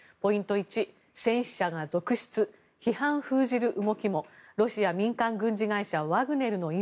１戦死者が続出批判封じる動きもロシア民間軍事会社ワグネルの今。